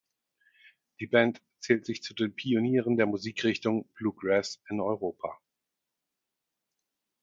Die Band zählt sich zu den Pionieren der Musikrichtung Bluegrass in Europa.